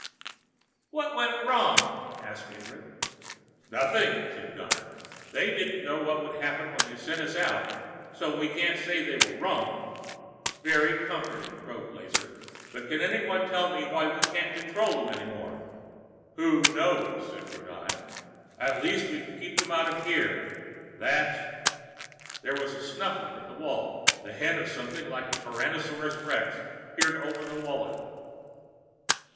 "What went wrong?" asked Ingrid. "Nothing," said Donner. "They didn't know what would happen when they sent us out, so we can't say they were wrong." "Very comforting," croaked Lazar. "But can someone tell me why we can't control them any more?" "Who knows?" said Brunei. "At least we can keep them out of here. That's " There was a snuffling at the wall. The head of something like a Tyrannosaurus Rex peered over the wall at them.